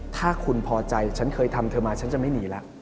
ถ้าคุณพอใจฉันเคยทำเธอมาฉันจะไม่หนีแล้ว